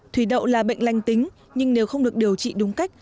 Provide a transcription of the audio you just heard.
thủy đậu là bệnh lành tính nhưng nếu không được điều trị đúng cách